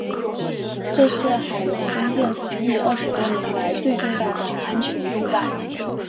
这是海龙军舰服役二十多年来最重大的安全意外。